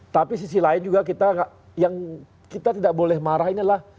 tapi sisi lain juga kita yang kita tidak boleh marah ini adalah